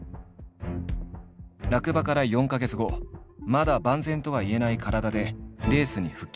落馬から４か月後まだ万全とはいえない体でレースに復帰。